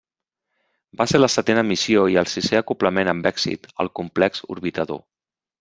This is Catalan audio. Va ser la setena missió i el sisè acoblament amb èxit al complex orbitador.